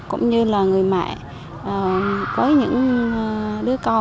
cũng như là người mẹ với những đứa con